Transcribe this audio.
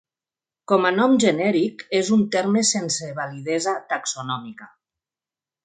Com a nom genèric és un terme sense validesa taxonòmica.